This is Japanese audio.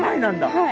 はい。